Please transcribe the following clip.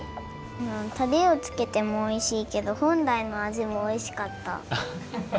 タレをつけてもおいしいけどほんらいのあじもおいしかった。